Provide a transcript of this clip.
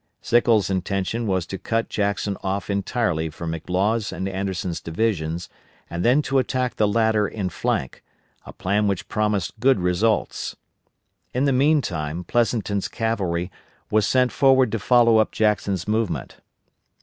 Sickles' intention was to cut Jackson off entirely from McLaws' and Anderson's divisions, and then to attack the latter in flank, a plan which promised good results. In the mean time Pleasonton's cavalry was sent forward to follow up Jackson's movement.